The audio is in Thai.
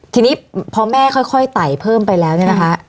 ทีนี้พอแม่ค่อยไต่เพิ่มไปแล้วเนี่ยนะคะ